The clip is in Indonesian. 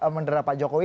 menerah pak jokowi